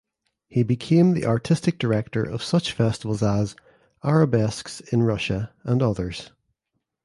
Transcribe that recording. He became the artistic director of such festivals as "Arabesques in Russia" and others.